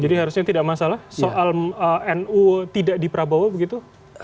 jadi harusnya tidak masalah soal nu tidak di prabowo begitu